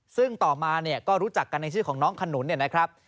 ซึ่งต่อมาก็รู้จักกันในชื่อของน้องขนุลนะครับ